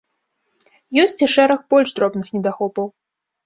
Ёсць і шэраг больш дробных недахопаў.